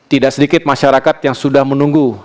tidak sedikit masyarakat yang sudah menunggu